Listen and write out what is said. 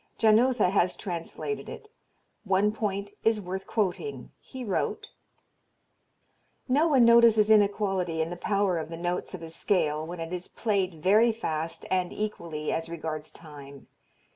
Janotha has translated it. One point is worth quoting. He wrote: No one notices inequality in the power of the notes of a scale when it is played very fast and equally, as regards time.